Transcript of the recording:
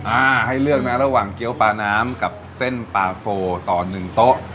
อ่าให้เลือกนะระหว่างเกี้ยวปลาน้ำกับเส้นปลาโฟต่อหนึ่งโต๊ะ